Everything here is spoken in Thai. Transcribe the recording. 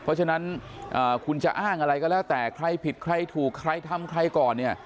เพราะฉะนั้นคุณจะอ้างอะไรก็แล้วแต่ใครผิดใครถูกใครทำใครก่อนเนี่ย